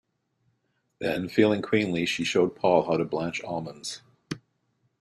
Then, feeling queenly, she showed Paul how to blanch almonds.